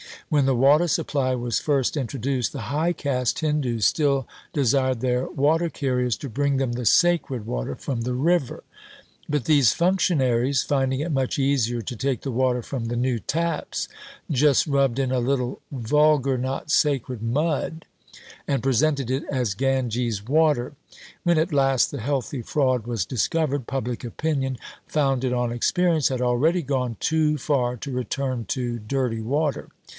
When the water supply was first introduced, the high caste Hindoos still desired their water carriers to bring them the sacred water from the river; but these functionaries, finding it much easier to take the water from the new taps, just rubbed in a little (vulgar, not sacred) mud and presented it as Ganges water. When at last the healthy fraud was discovered, public opinion, founded on experience, had already gone too far to return to dirty water.